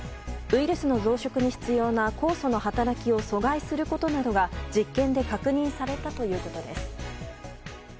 ウイルスの増殖に必要な酵素の働きを阻害することなどが実験で確認されたということです。